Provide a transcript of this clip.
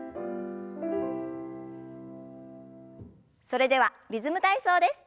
それでは「リズム体操」です。